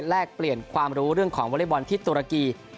แลกเปลี่ยนความรู้เรื่องของวอเล็กบอลที่ตุรกี